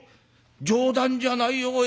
冗談じゃないよおい。